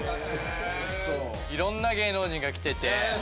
いろんな芸能人が来てて。